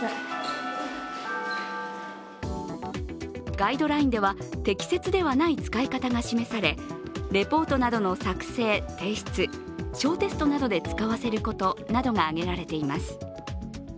ガイドラインでは適切ではない使い方が示され、レポートなどの作成・提出小テストなどで使わせることなどが挙げられています。